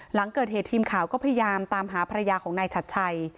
หลังเกิดเหตุทีมข่าวก็พยายามตามหาภรรยาของนายชัดชัย